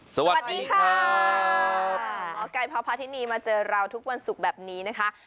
สวัสดีค่ะหมอไก่พ่อพาทินีมาเจอเราทุกวันศุกร์แบบนี้นะคะ